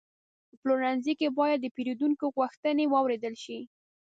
په پلورنځي کې باید د پیرودونکو غوښتنې واورېدل شي.